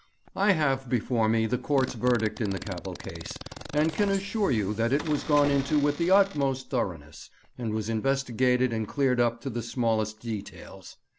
'I have before me the court's verdict in the Cavell case, and can assure you that it was gone into with the utmost thoroughness, and was investigated and cleared up to the smallest details.